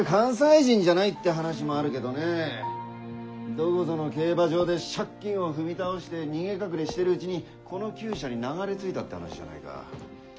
どこぞの競馬場で借金を踏み倒して逃げ隠れしてるうちにこの厩舎に流れ着いたって話じゃないか。